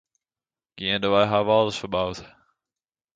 Geandewei ha we alles ferboud.